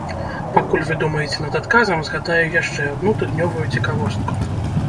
Пакуль вы думаеце над адказам, згадаю яшчэ адну тыднёвую цікавостку.